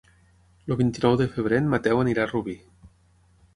El vint-i-nou de febrer en Mateu anirà a Rubí.